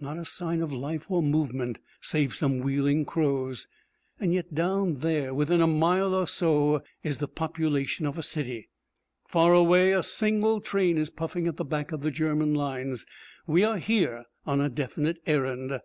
Not a sign of life or movement, save some wheeling crows. And yet down there, within a mile or so, is the population of a city. Far away a single train is puffing at the back of the German lines. We are here on a definite errand.